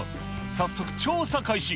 早速、調査開始。